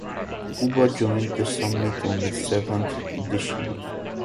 Cuba joined the Summit on its seventh edition.